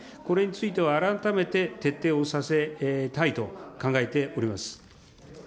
これについては、改めて徹底をさせたいと考えております。